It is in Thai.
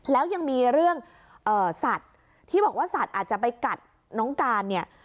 แล้วยังมีเรื่องสัตว์ที่บอกว่าสัตว์อาจจะไปกัดน้องการเนี่ย